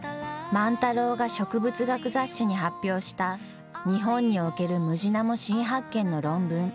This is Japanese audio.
万太郎が植物学雑誌に発表した日本におけるムジナモ新発見の論文。